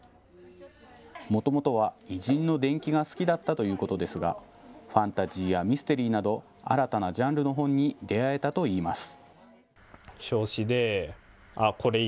もともとは偉人の伝記が好きだったということですがファンタジーやミステリーなど新たなジャンルの本に出会えたといいます。